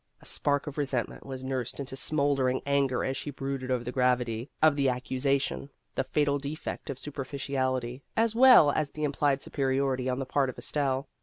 A spark of resentment was nursed into smouldering anger as she brooded over the gravity of the accusa Vassar Studies tion, the fatal defect of superficiality, as well as the implied superiority on the part of Estelle.